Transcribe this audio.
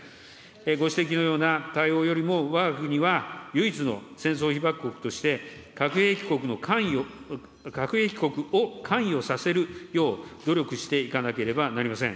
ご指摘のような対応よりもわが国は唯一の戦争被爆国として、核兵器国の、核兵器国を関与させるよう努力していかなければなりません。